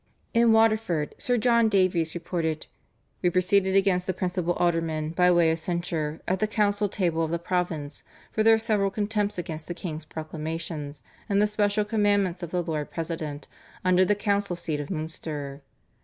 In Waterford Sir John Davies reported "we proceeded against the principal aldermen by way of censure at the council table of the province for their several contempts against the king's proclamations and the special commandments of the Lord President under the council seal of Munster.